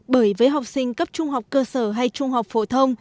bởi với học sinh cấp trung học cơ sở hay trung học phổ thông